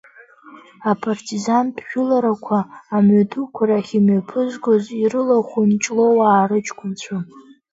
Апартизантә жәыларақәа, амҩадуқәа рахь имҩаԥызгоз ирылахәын Ҷлоуаа рыҷкәынцәа.